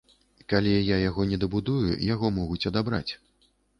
Калі я яго не дабудую, яго могуць адабраць.